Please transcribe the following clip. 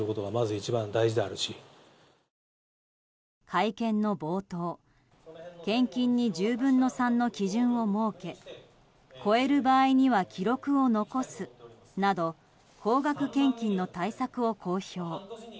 会見の冒頭、献金に１０分の３の基準を設け超える場合には記録を残すなど高額献金の対策を公表。